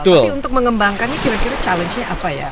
tapi untuk mengembangkannya kira kira challenge nya apa ya